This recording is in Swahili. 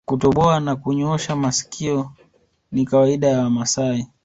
Kutoboa na kunyoosha masikio ni kawaida ya Wamasai